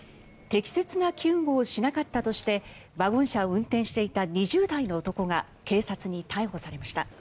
適切な救護をしなかったとしてワゴン車を運転していた２０代の男が警察に逮捕されました。